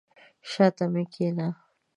شاته مي کښېنه !